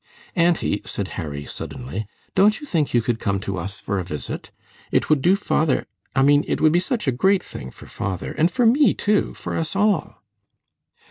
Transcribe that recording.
"Auntie," said Harry, suddenly, "don't you think you could come to us for a visit? It would do father I mean it would be such a great thing for father, and for me, too, for us all."